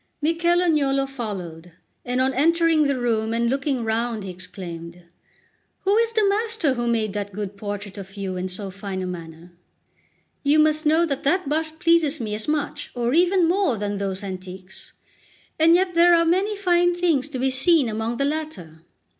Michel Agnolo followed, and on entering the room and looking round, he exclaimed: "Who is the master who made that good portrait of you in so fine a manner? You must know that that bust pleases me as much, or even more, than those antiques; and yet there are many fine things to be seen among the latter.